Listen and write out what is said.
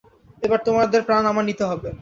এবার, তোমাদের প্রাণ আমার নিতে হবে।